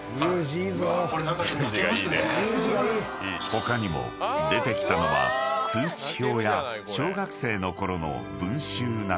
［他にも出てきたのは通知表や小学生のころの文集など］